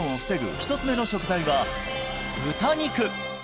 １つ目の食材は豚肉！